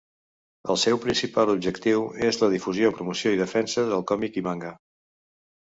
El seu principal objectiu és la difusió, promoció i defensa del còmic i manga.